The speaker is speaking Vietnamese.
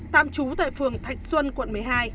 tạm trú tại phường thạch xuân quận một mươi hai